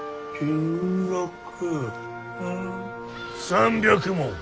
３００文。